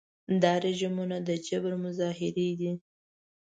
دا رژیمونه د جبر مظاهر دي.